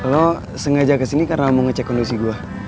lo sengaja kesini karena mau ngecek kondusi gue